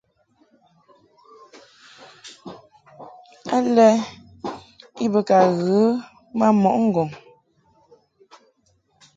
Alɛ i be ka ghə ma mɔʼ ŋgɔŋ.